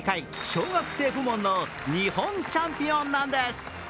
小学生部門の日本チャンピオンなんです。